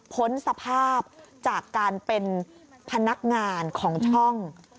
พ้นสภาพจากการเป็นพนักงานของช่อง